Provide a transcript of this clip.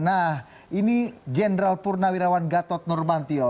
nah ini jenderal purnawirawan gatot nurmantio